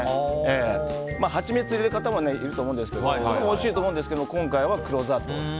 ハチミツを入れる方もいると思うんですがおいしいと思うんですけど今回は黒砂糖。